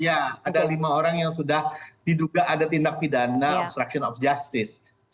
ada lima orang yang sudah diduga ada tindak pidana obstruction of justice